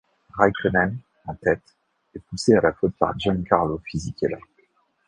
Räikkönen, en tête, est poussé à la faute par Giancarlo Fisichella.